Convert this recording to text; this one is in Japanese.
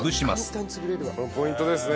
これもポイントですね。